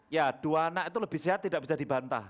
ya dua anak itu lebih sehat tidak bisa dibantah